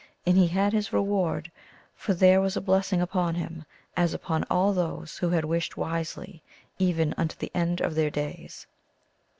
And he had his reward, for there was a blessing upon him as upon all those who had wished wisely even unto the end of their days.